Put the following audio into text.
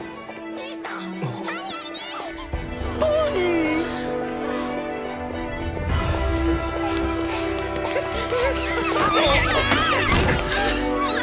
兄さんっ！！